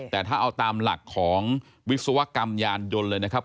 แต่ถ้าเอาตามหลักของวิศวกรรมยานยนต์เลยนะครับ